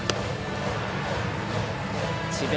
智弁